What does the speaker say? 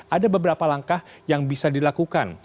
ada beberapa langkah yang bisa dilakukan